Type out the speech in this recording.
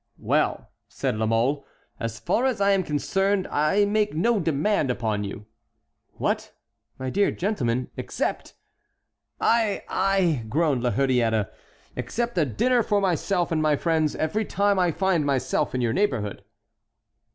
"Well," said La Mole, "as far as I am concerned I make no demand upon you." "What, my dear gentleman"— "Except"— "Aïe! aïe!" groaned La Hurière. "Except a dinner for myself and my friends every time I find myself in your neighborhood."